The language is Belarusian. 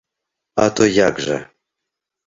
А то як жа!